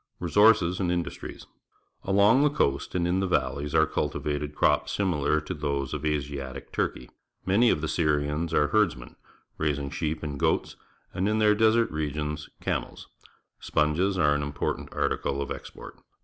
Resources and Industries. — Along the coast and in the valleys are cultivated crops similar to those of Asiatic Turke3\ Many of the Swians are herdsmen, raising sheep and goats, and in the desert regions, camels. Sponges are an important article of export.